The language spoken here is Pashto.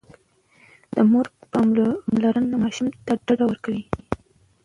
د مور پاملرنه ماشوم ته ډاډ ورکوي.